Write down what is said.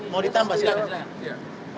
mau ditambah sekarang